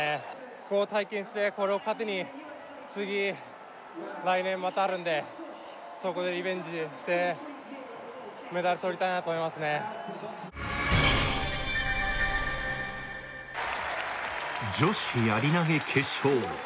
ここを体験してこれを糧に次来年またあるんでそこでリベンジしてメダルとりたいなと思いますね女子やり投決勝